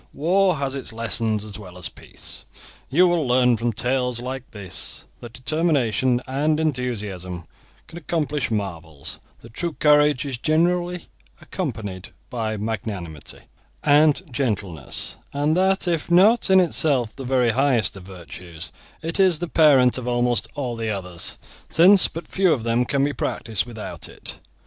War has its lessons as well as Peace. You will learn from tales like this that determination and enthusiasm can accomplish marvels, that true courage is generally accompanied by magnanimity and gentleness, and that if not in itself the very highest of virtues, it is the parent of almost all the others, since but few of them can be practised without it.